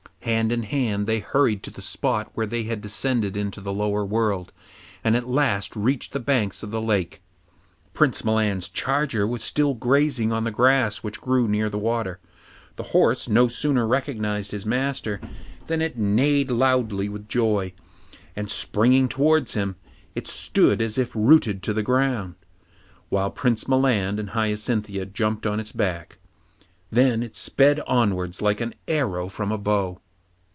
Hand in hand, they hurried to the spot where they had descended into the lower world, and at last reached the banks of the lake. Prince Milan's charger was still grazing on the grass which grew near the water. The horse no sooner recognized his master, than it neighed loudly with joy, and springing towards him, it stood as if rooted to the ground, while Prince Milan and Hyacinthia jumped on its back. Then it sped onwards like an arrow from a bow.